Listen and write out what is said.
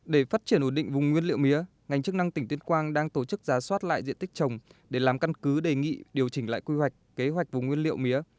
để phát triển ổn định vùng nguyên liệu mía ngành chức năng tỉnh tuyên quang đang tổ chức giá soát lại diện tích trồng để làm căn cứ đề nghị điều chỉnh lại quy hoạch kế hoạch vùng nguyên liệu mía